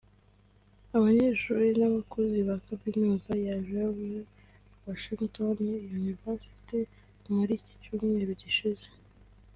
abanyeshuri n’abakozi ba kaminuza ya George Washington (University) muri Cyumweru gishize